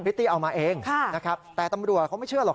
ตตี้เอามาเองนะครับแต่ตำรวจเขาไม่เชื่อหรอก